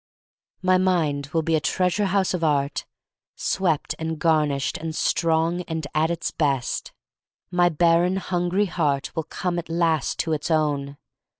My mind will be a treasure house of art, swept and garnished and strong and at its best. My barren, hungry heart will come at last to its own.